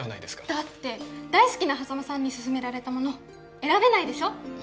だって大好きな波佐間さんに薦められたもの選べないでしょ